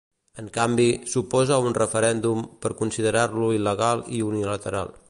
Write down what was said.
En canvi, s'oposa a un referèndum, per considerar-lo il·legal i unilateral.